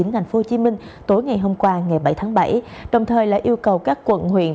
tp hcm tối ngày hôm qua ngày bảy tháng bảy đồng thời lại yêu cầu các quận huyện